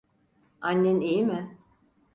Annen iyi mi?